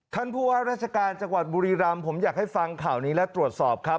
ท่านผู้ว่าราชการจังหวัดบุรีรำผมอยากให้ฟังข่าวนี้และตรวจสอบครับ